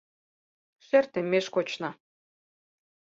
Шер теммеш кочна.